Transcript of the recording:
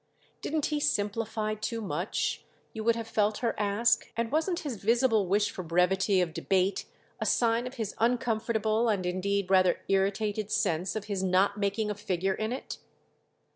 Didn't he simplify too much, you would have felt her ask, and wasn't his visible wish for brevity of debate a sign of his uncomfortable and indeed rather irritated sense of his not making a figure in it?